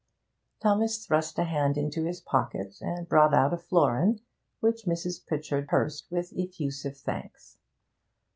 Thomas thrust a hand into his pocket and brought out a florin, which Mrs. Pritchard pursed with effusive thanks.